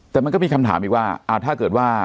แต่มันก็มีคำถามอีกว่าถ้าเกิดว่า